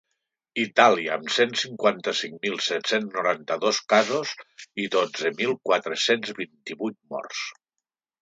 Itàlia, amb cent cinc mil set-cents noranta-dos casos i dotze mil quatre-cents vint-i-vuit morts.